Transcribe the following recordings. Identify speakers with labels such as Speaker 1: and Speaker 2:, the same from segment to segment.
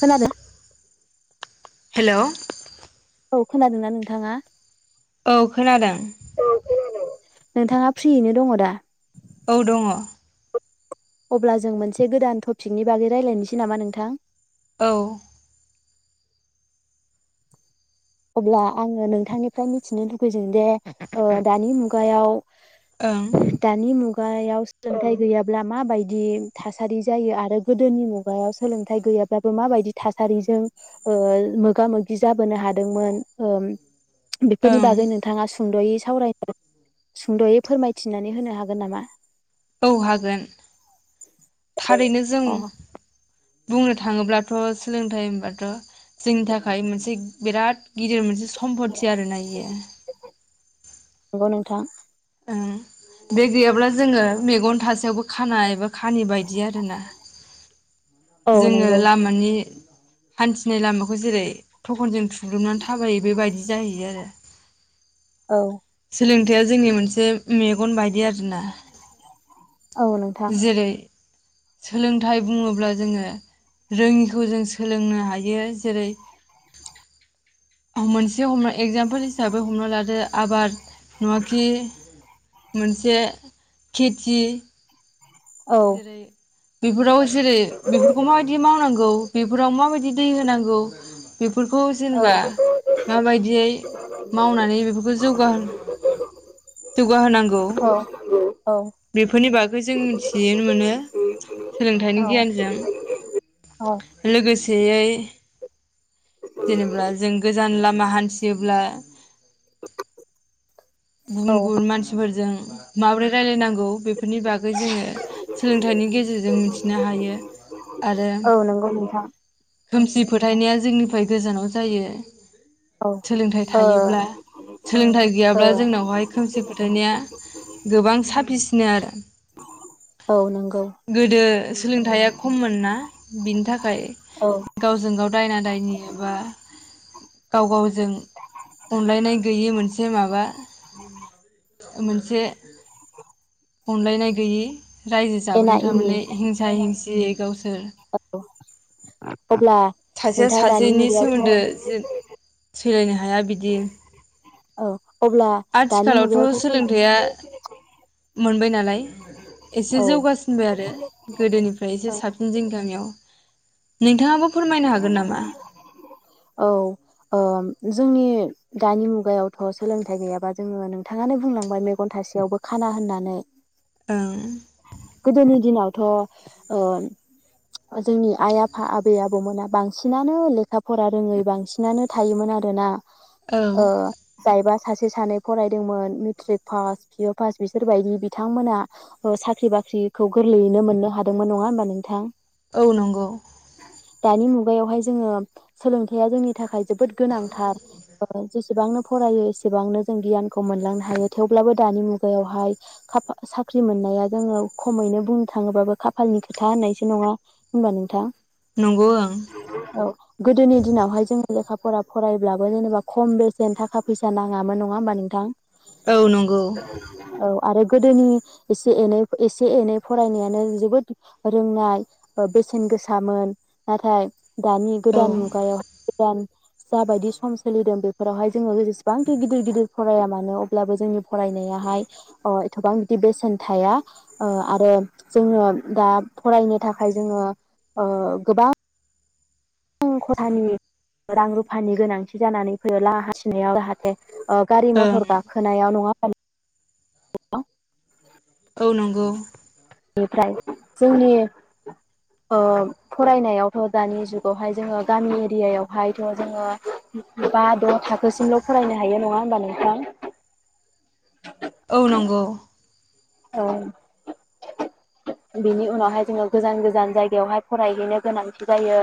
Speaker 1: खोनादो।
Speaker 2: हेलौ।
Speaker 1: औ खोनादोंना नोंथाङा?
Speaker 2: औ खोनादों
Speaker 1: नोंथाङा फ्रियैनो दङ दा?
Speaker 2: औ दङ'।
Speaker 1: अब्ला जों मोनसे गोदान टपिकनि बागै रायज्लायनोसै नामा नोंथां?
Speaker 2: औ।
Speaker 1: अब्ला आङो नोंथांनिफ्राय मिथिनो लुगैदों दे ओ दानि मुगायाव,
Speaker 2: ओं
Speaker 1: दानि मुग मुगायाव सोलोंथाइ गैयाब्ला माबायदि थासारि जायो आरो गोदोनि मुगायाव सोलोंथाइ गैयाब्लाबो माबायदि थासारिजों मोगा मोगि जाबोनो हादों? मोन? बेफोरनि बागै नोंथाङा सुंद'यै सावरायनाय सुंद'यै फोरमायथिनानै होनो हागोन नामा?
Speaker 2: औ हागोन थारैनो जों
Speaker 1: अ
Speaker 2: बुंनो थाङोब्लाथ' सोलोंथाइ होनबाथ' जोंनि थाखाय मोनसे बिराद गिदिर मोनसे सम्पति आरो ना एयो।
Speaker 1: नंगौ नोंथां।
Speaker 2: बे गैयाब्ला जोङो मेगन थासेयावबो खाना एबा खानि बायदि आरोना,
Speaker 1: औ
Speaker 2: जोङो
Speaker 1: नंगौ
Speaker 2: लामानि हान्थिनाय लामाखौ जेरै थखनजों थु नानै थाबायो बेबायदि जाहैयो आरो।
Speaker 1: औ
Speaker 2: सोलोंथाइया जोंनि मोनसे मेगन बायदि आरोना,
Speaker 1: औ नोंथां
Speaker 2: जेरै सोलोंथाइ बुङोब्ला जोङो रोङिखौ जों सोलोंनो हायो जेरै मोनसे हम एगजामपोल हिसाबै हमना लादो आबाद नङाखि मोनसे खेथि
Speaker 1: औ
Speaker 2: जेरै बेफोराव जेरै बेफोरखौ माबायदि मावनांगौ बेफोराव माबादि दै होनांगौ, बेफोरखौ
Speaker 1: औ
Speaker 2: जेनेबा माबायदियै मावनानै बेफोरखौ जौगा जौगाहोनांगौ
Speaker 1: औ
Speaker 2: बेफोरनि बागै जों मिथि बिनो मोनो सोलोंथाइनि गियानजों
Speaker 1: औ
Speaker 2: लोगोसे [unintelligible] जेनेबा जों गोजान लाम मा हानथियोब्ला
Speaker 1: औ
Speaker 2: गुबुन गुबुन मानसिफोरजों माबोरै रायलायनांगौ बेफोरनि बागै बे जोङो सोलोंथाइनि गेजेरजों मिथिनो हायो आरो।
Speaker 1: औ नंगौ नोंथां
Speaker 2: खोमसि फोथायनाया जोंनिफ्राय गोजानाव जायो।
Speaker 1: औ
Speaker 2: सोलोंथाइ
Speaker 1: ओ
Speaker 2: थायोब्ला सोलोंथाइ
Speaker 1: ओ
Speaker 2: गैयाब्ला जोंनावहाय खोमसि फोथायनाया
Speaker 1: औ नंगौ
Speaker 2: सोलोंथाया खममोनना बिनि थाखाय
Speaker 1: औ
Speaker 2: गावजों गाव दायना दायनि एबा गाव गाव जों अनलायनाय गैयि मोनसे माबा मोनसे
Speaker 1: [inaudible]
Speaker 2: अनलायनाय गैयि। राज्यो
Speaker 1: एना
Speaker 2: जाबोदों
Speaker 1: एनि
Speaker 2: थारमाने हिंसा हिंसि [unintelligible]
Speaker 1: [unintelligible] अब्ला
Speaker 2: सासेया
Speaker 1: नोंथां दानि
Speaker 2: सासेनि
Speaker 1: मुगायावथ'
Speaker 2: सोमोन्दो जे सैलायनो हाया बिदि।
Speaker 1: औ अब्ला दानि
Speaker 2: आथिखालआवथ'
Speaker 1: मुगायावथ' सोल
Speaker 2: सोलोंथाया मोनबाय नालाय एसे
Speaker 1: औ
Speaker 2: जौगासिनबाय आरो गोदोनिफ्राय एसे साबसिन जों गामियाव। नोंथाङाबो फोरमायनो हागोन ना?
Speaker 1: औ ओम। जोंनि दानि मुगायावथ' सोलोंथाइ गैयाबा जोङो नोंथाङानो बुंलांबाय मेगन थासेयावबो खाना होननानै
Speaker 2: ओं
Speaker 1: गोदोनि दिनावथ' ओ जोंनि आइ आफा आबै आबौमोना बां सिनानो लेखा फरा रोङै बांसिनानो थायोमोन आरोना।
Speaker 2: औ
Speaker 1: ओ जायबा सासे सानै फरायदोंमोन मिथ्रिक फास फि अ फास बिसोरबायदि बिथांमोना ओ साख्रि बाख्रिखौ गोरलैयैनो मोननो हादोंमोन नङा होमबा नोंथां?
Speaker 2: औ नंगौ।
Speaker 1: दानि मु गायावहाय जोङो सोलोंथाइया जोंनि थाखाय जोबोद गोनांथार ओ जेसेबांनो फरायो एसेबांनो जों गियानखौ मोनलांनो हायो थेवब्लाबो दानि मुगायावहाय खाफा साख्रि मोननाया जोङो खमैनो बुंनो थाङोबाबो खाफालनि खोथा होननायसो नङा होनबा नोंथां?
Speaker 2: नंगौ ओं
Speaker 1: औ गोदोनि दिनावहाय जोङो लेखा फरा फरायब्लाबो जेनेबा खम बेसेन थाखा फैसा नाङामोन नङा होमबा नोंथां?
Speaker 2: औ नंगौ।
Speaker 1: औ आरो गोदोनि एसे एनै एसे एनै फरायनायानो जोबोद रोंनाय ओ बेसेन गोसामोन नाथाय दानि
Speaker 2: औ
Speaker 1: गोदान
Speaker 2: ओं
Speaker 1: मुगायाव [unintelligible] गोदान जाबायदि सम सोलिदों बे फोरावहाय जोङो जेसेबांखि गिदिर गिदिर फराया मानो अब्लाबो जोंनि फरायनायाहाय ओ थोबां दि बेसेन थाया ओ आरो जोङो दा फरायनो थाखाय जोङो ओ गोबां बां खथानि रां रुफानि गोनांथि जानानै फैयो लाहा हासिनायाव जाहाथे ओ गारि मथर
Speaker 2: औ
Speaker 1: गाखोनायाव नङा [unintelligible] [unintelligible]
Speaker 2: औ नंगौ।
Speaker 1: बेनिफ्राय जोंनि ओ फरायनायावथ' दानि जुगावहाय जोङो गामि एरियायावहायथ' जोङो बा द' थाखोसिमल' फरायनो हायो नङा होम होमबा नोंथां?
Speaker 2: औ नंगौ
Speaker 1: औ बिनि उनावहाय जोङो गोजान गोजान जायगायावहाय फरायहैनो गोनांथि जायो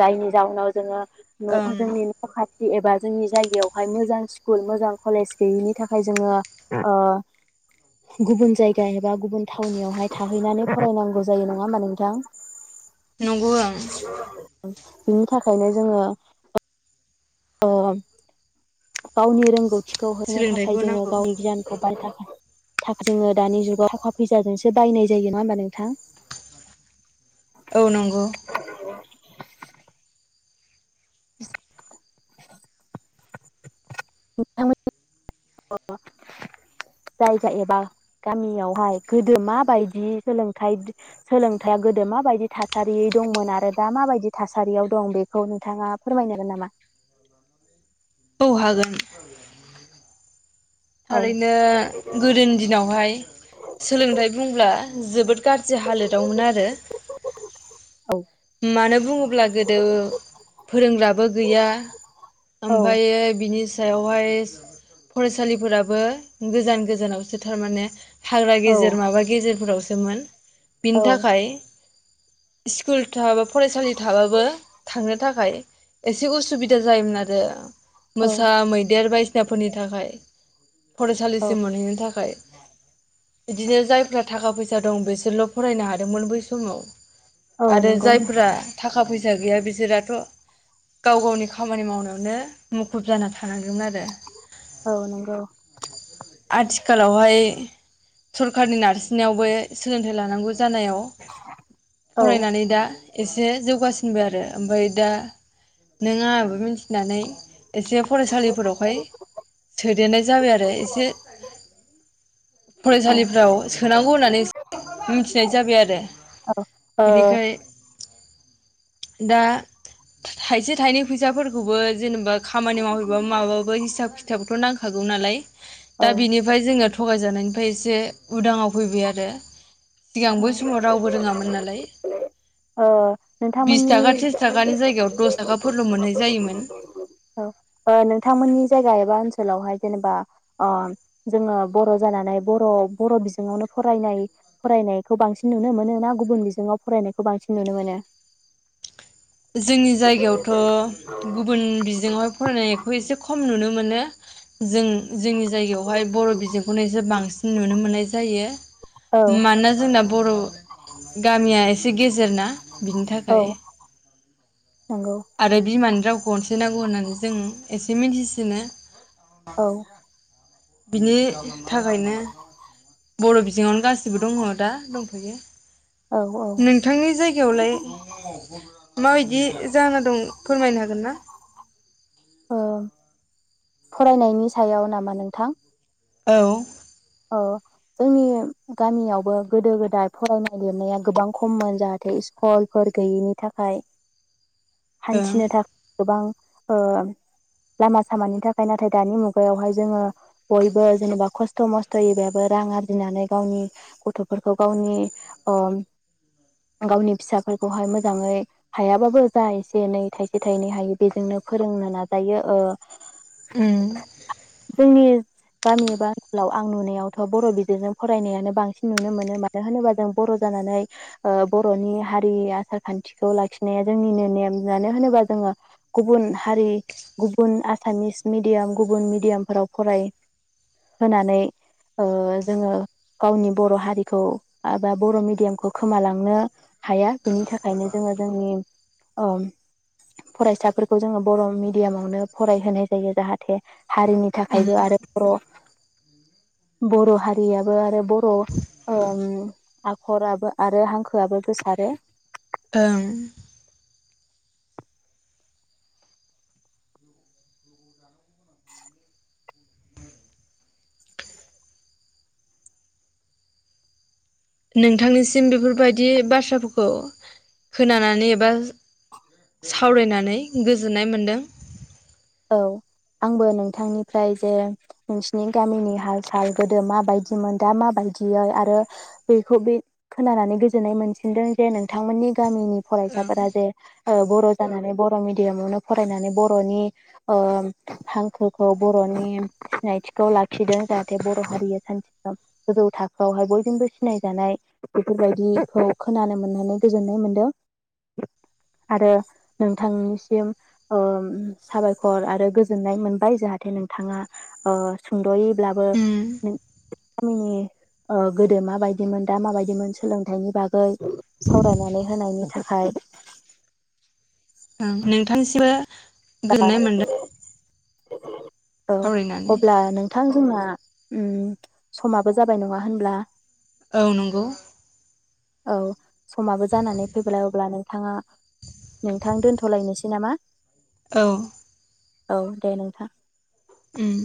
Speaker 1: जायनि जाउनाव जोङो न'
Speaker 2: ओं
Speaker 1: जोंनि न' खाथ एबा जोंनि जायगायावहाय मोजां स्कुल मोजां कलेज गैयिनि थाखाय जोङो ओ गुबुन जायगा एबा गुबुन थावनियावहाय थाहैनानै फरायनांगौ। नांगौ जायो नङा होमबा नोंथां?
Speaker 2: नुगौ ओं ।
Speaker 1: ओं बिनि थाखायनो जोङो ओ गावनि रोंगौ थिखौ होनो थाखाय
Speaker 2: सोलोंथाइखौ
Speaker 1: जोङो
Speaker 2: नांगौ
Speaker 1: गावनि गियानखौ बाय थाखाय थाख जोङो दानि जुगाव थाखा फैसाजोंसो बायनाय जायो नङा होमबा नोंथां?
Speaker 2: औ नंगौ।
Speaker 1: [inaudible] [inaudible] नोंथांमोनि [unintelligible] जायगा एबा गामियावहाय गोदो माबायदि सोलोंथाय सोलोंथाया गोदो माबायदि थासारि दंमोन आरो दा माबायदि थासारियाव दं बेखौ नोंथाङा फोरमायनो हागोन नामा?
Speaker 2: औ हागोन।
Speaker 1: औ
Speaker 2: थारैनो गोदोनि दिनावहाय सोलोंथाइ बुंब्ला जोबोद गाज्रि हालोदावमोन आरो
Speaker 1: औ
Speaker 2: मानो बुङोब्ला गोदो फोरोंग्राबो गैया
Speaker 1: औ
Speaker 2: ओमफायो बि नि सायावहाय फरायसालिफोराबो गोजान गोजानावसो थारमाने हाग्रा
Speaker 1: औ
Speaker 2: गेजेर माबा गेजेर फोराव दोमोन। बिनि
Speaker 1: औ
Speaker 2: थाखाय सिकुल थाबाब फरायसालि थाबाबो थांनो थाखाय एसे उसुबिदा जायोमोन आरो। मोसा मैदेर बाय फिसाफोरनि थाखाय
Speaker 1: औ
Speaker 2: फरायसालिसिम मोनहैनो थाखाय। इदिनो जायफ्रा थाखा फैसा दं बिसोरल' फरायनो हादोंमोन बै समाव
Speaker 1: औ
Speaker 2: आरो
Speaker 1: नंगौ नोंथां
Speaker 2: जायफ्रा थाखा फै सा गैया बिसोराथ' गाव गावनि खामानि मावनायावनो मुखुब जाना थानांदोंमोन आरो।
Speaker 1: औ नंगौ
Speaker 2: आथिखालावहाय सरखारनि नारसिननायावबो सोलोंथाइ लानांगौ जानायाव
Speaker 1: औ
Speaker 2: फराय दा एसे जौगासिनबाय आरो ओमफ्राय दा नों आंहाबो मिथिनानै एसे फरायसालिफोरावहाय सोदेरनाय जाबाय आरो एसे
Speaker 1: औ ओ
Speaker 2: फरायसालिफ्राव सोनांगौ होननानै मिथि फिन्नाय जाबाय आरो
Speaker 1: [unintelligible]
Speaker 2: बिनिखाय दा थाइसे थाइनै फैसाफोरखौबो जेनेबा खामानि मावहैबो माबाबो हिसाब खिथाबथ' नांखागौ नालाय
Speaker 1: औ
Speaker 2: दा बिनिफ्राय जोङो थगायजानायनिफ्राय एसे उदाङाव फैबाय आरो सिगां बै समाव रावबो रोङामोन नालाय।
Speaker 1: ओ
Speaker 2: बिस थाखा
Speaker 1: नोंथांमोननि
Speaker 2: त्रिस थाखानि जायगायाव दस थाखाफोरल' मोननाय जायोमोन।
Speaker 1: खायबा ओनसोलावहाय जेनेबा ओ जोङो बर' जानानै बर' बर' बिजोंआवनो फरायनाय फरायनाय खौ बांसिन नुनो मोनो ना गुबुन बिजोङाव फरायनायखौ बांसिन नुनो मोनो?
Speaker 2: जोंनि जायगायावथ' गुबुन बिजोंआवहाय फरायनायखौ एसे खम नुनो मोनो। जों जोंनि जायगायावहाय बर' बिजोंखौनो बांसिन नुनो मोननाय जायो
Speaker 1: औ
Speaker 2: मानोना जोंना बर' गामिया एसे गेजेर ना बिनि
Speaker 1: औ
Speaker 2: थाखाय
Speaker 1: नंगौ
Speaker 2: आरो बिमानि राव गनसे नांगौ होननानै जों एसे मिथिसिनो [unintelligible]
Speaker 1: औ
Speaker 2: बिनि थाखायनो बर' बिजोङावनो गासिबो दङ दा दंथ'यो।
Speaker 1: औ औ
Speaker 2: नोंथांनि जायगायावलाय माबायदि जाना दं फोरमायनो हागोन ना?
Speaker 1: ओ फरायनायनि सायाव नामा नोंथां?
Speaker 2: औ
Speaker 1: औ जोंनि गामियावबो गोदो गोदाय फरायनाय लिरनाया गोबां खममोन जाहाथे स्कुलफोर गैयैनि थाखाय हान्थिनो थाखाय गोबां। ओ लामा सामानि थाखाय नाथाय दानि मुगायावहाय जोङो बयबो जेनेबा खस्थ' मस्थ'। यै बाबो रां आरजिनानै गावनि गथ'फोरखौ गावनि अ गावनि फिसाफोरखौहाय मोजाङै हायाबाबो जा एसे एनै थाइसे थाइनै हायो बेजोंनो फोरोंनो नाजायो, ओ।
Speaker 2: उम।
Speaker 1: जोंनि गामि एबा ओनसोलाव। आं नुनायावथ' बर' बिजोंजों फरायनायानो बांसिन नुनो मोनो मानो होनोबा जों बर' जानानै ओ बर'नि हारि आसार खान्थिखौ लाखिनाया जोंनिनो नेम मानो होनोबा जोङो गुबुन हारि गुबुन आसामिस मिडियाम गुबुन मेडियामफोराव फराय होनानै। ओ जोङो गावनि बर' हारिखौ एबा बर' मिडियामखौ खोमालांनो हाया बिनि थाखायनो जोङो जोंनि ओ फरायसाफोरखौ जोङो बर' मिडियामावनो फरायहोनाय जायो जाहाथे। हारिनि
Speaker 2: उम
Speaker 1: थाखायबो आरो बर'। बर' हारियाबो आरो बर' ओम आखराबो आरो हांखोआबो गोसारो।
Speaker 2: ओं। नोंथांनिसिम बेफोरबायदि बाथ्राफोरखौ खोनानानै एबा सावरायनानै गोजोन्नाय मोनदों।
Speaker 1: औ आंबो नोंथांनिफ्राय जे नोंसिनि गामिनि हाल साल गोदो माबायदिमोन दा माबायदियै आरो बेखौ बे खोनानानै गोजोननाय मोनसिनदों जे नोंथांमोननि। गामिनि
Speaker 2: ओं
Speaker 1: फरायसाफोरा जे। बर' जानानै बर' मिडियामावनो फरायनानै बर'नि। ओ हांखोखौ बर'नि सिनायथिखौ लाखिदों जाहाथे बर' हारिया सानसे सम गोजौ थाखोआवहाय बयजोंबो सिनायजानाय बेफोरबायदिखौ खोनानो मोननानै गोजोननाय मोनदों आरो नोंथांनिसिम ओ साबायख र आरो गोजोननाय मोनबाय जाहाथे नोंथाङा ओ सुंद'यै। ब्लाबो।
Speaker 2: उम
Speaker 1: गामिनि गोदो माबायदिमोन दा माबायदिमोन सोलोंथाइनि बागै सावरायनानै होनायनि थाखाय।
Speaker 2: ओं नोंथांसिमबो।
Speaker 1: [unintelligible] [unintelligible] औ
Speaker 2: सावरायनानै
Speaker 1: अब्ला नोंथां। जोंना उम समाबो जाबाय नङा होनब्ला।
Speaker 2: औ नंगौ।
Speaker 1: औ। समाबो जानानै फैब्लाय अब्ला नों नोंथाङा नोंथां दोनथ'लायनोसै नामा?
Speaker 2: औ।
Speaker 1: औ दे नोंथां।
Speaker 2: उम।